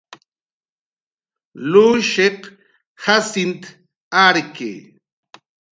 Lushiq Jacint arki